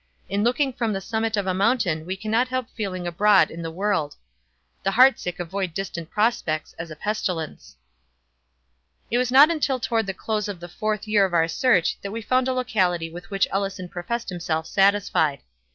In looking from the summit of a mountain we cannot help feeling abroad in the world. The heart sick avoid distant prospects as a pestilence." It was not until toward the close of the fourth year of our search that we found a locality with which Ellison professed himself satisfied.